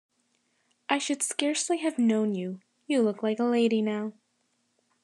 I should scarcely have known you: you look like a lady now.